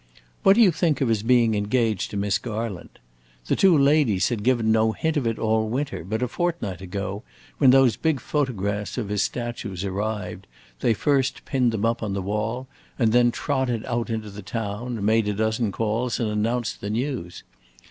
What do you think of his being engaged to Miss Garland? The two ladies had given no hint of it all winter, but a fortnight ago, when those big photographs of his statues arrived, they first pinned them up on the wall, and then trotted out into the town, made a dozen calls, and announced the news.